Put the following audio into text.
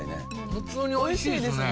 普通に美味しいですね。